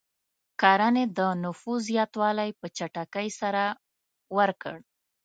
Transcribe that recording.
کرنې د نفوس زیاتوالی په چټکۍ سره ورکړ.